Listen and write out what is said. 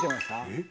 えっ？